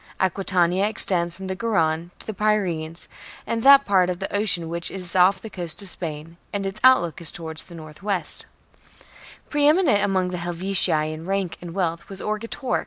Aquitania extends from the Garonne to the Pyrenees and that part of the Ocean which is off the coast of Spain ; and its outlook is towards the north west Orge^toJ's 2. Pre eminent among the Helvetii in rank and wealth was Orgetorix.